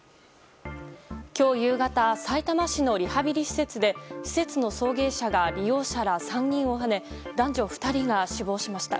今日夕方、さいたま市のリハビリ施設で施設の送迎車が利用者ら３人をはね男女２人が死亡しました。